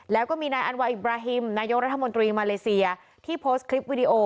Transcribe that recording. แล้วก็มีนายอันวาอิบราฮิมนายกรัฐมนตรีมาเลเซียที่โพสต์คลิปวิดีโอ